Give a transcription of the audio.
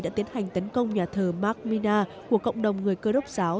đã tiến hành tấn công nhà thờ mark mina của cộng đồng người cơ đốc giáo